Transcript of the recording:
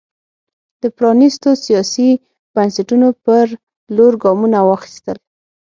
د پرانېستو سیاسي بنسټونو پر لور ګامونه واخیستل.